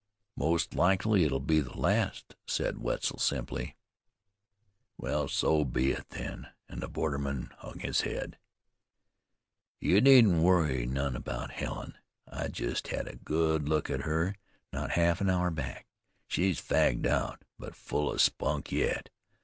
"Most likely it'll be the last," said Wetzel simply. "Well, so be it then," and the borderman hung his head. "You needn't worry none, 'bout Helen. I jest had a good look at her, not half an hour back. She's fagged out; but full of spunk yet.